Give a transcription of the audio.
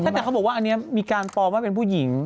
แต่เขาบอกว่าอันนี้มีการปลอมว่าเป็นผู้หญิง